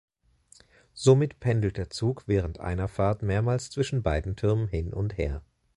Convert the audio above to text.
Somit pendelt der Zug während einer Fahrt mehrmals zwischen beiden Türmen hin und her.